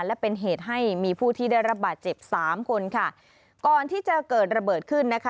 และเป็นเหตุให้มีผู้ที่ได้รับบาดเจ็บสามคนค่ะก่อนที่จะเกิดระเบิดขึ้นนะคะ